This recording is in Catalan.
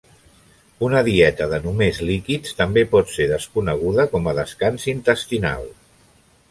Una dieta de només líquids també pot ser desconeguda com a descans intestinal.